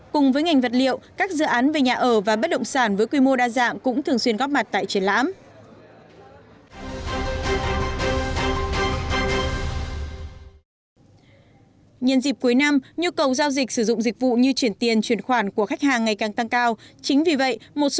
cùng với ngành vật liệu các dự án về nhà ở và bất động sản với quy mô đa dạng cũng thường xuyên góp mặt tại triển lãm